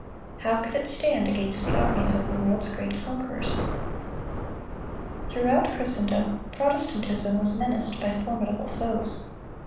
How could it stand against the armies of the world's great conquerors? Throughout Christendom, Protestantism was menaced by formidable foes.